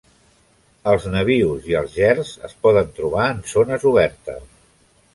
Els nabius i els gerds es poden trobar en zones obertes.